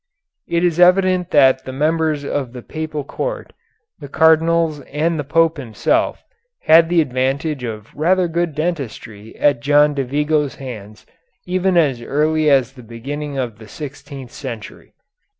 It is evident that the members of the Papal court, the Cardinals and the Pope himself, had the advantage of rather good dentistry at John de Vigo's hands even as early as the beginning of the sixteenth century.